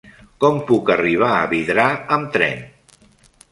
Com puc arribar a Vidrà amb tren?